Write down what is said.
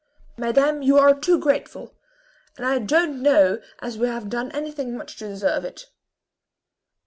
"Madame, you are too grateful; and I don't know as we have done anything much to deserve it."